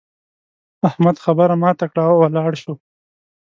احمد خبره ماته کړه او ولاړ شو.